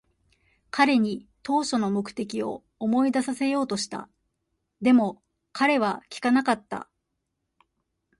彼に当初の目的を思い出させようとした。でも、彼は聞かなかった。